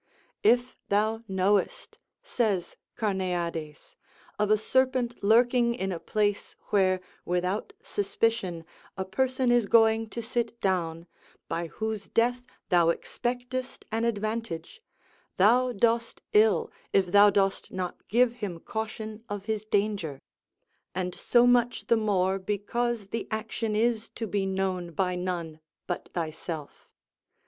"If thou knowest," says Carneades, "of a serpent lurking in a place where, without suspicion, a person is going to sit down, by whose death thou expectest an advantage, thou dost ill if thou dost not give him caution of his danger; and so much the more because the action is to be known by none but thyself."